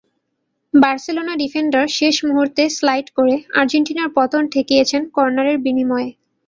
Barcelona defender শেষ মুহূর্তে slide করে আর্জেন্টিনার পতন ঠেকিয়েছেন কর্নারের বিনিময়ে।